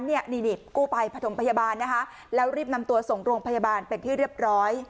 นิดกูไปพัฒนพยาบาลแล้วรีบนำตัวส่งโรงพยาบาลเป็นที่เรียบร้อย